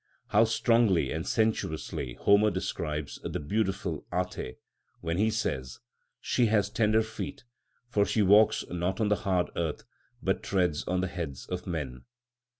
How strongly and sensuously Homer describes the harmful Ate when he says: "She has tender feet, for she walks not on the hard earth, but treads on the heads of men" (Il.